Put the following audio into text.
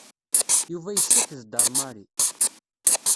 Yuba yessaked-d ar Mary.